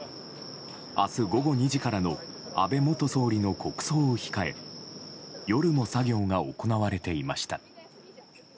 明日午後２時からの安倍元総理の国葬を控え夜も作業が行われていました。